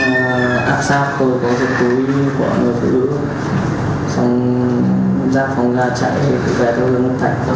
bạn áp sát tôi với dịch tử của một mươi phụ nữ xong rác phòng ra chạy về từ hương văn thạch